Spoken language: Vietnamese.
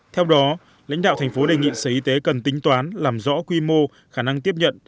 theo đó lãnh đạo thành phố đề nghị sở y tế cần tính toán làm rõ quy mô khả năng tiếp nhận